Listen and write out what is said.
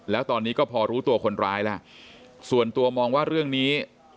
แล้วตอนนี้ก็พอรู้ตัวคนร้ายแล้วส่วนตัวมองว่าเรื่องนี้